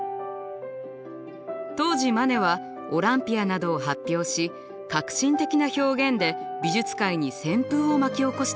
当時マネは「オランピア」などを発表し革新的な表現で美術界に旋風を巻き起こしていました。